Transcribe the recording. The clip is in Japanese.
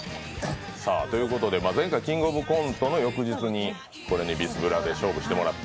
前回「キングオブコント」の翌日にこれにビスブラで勝負してもらった。